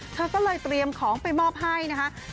เธอก็เลยเตรียมของไปมอบให้นะคะ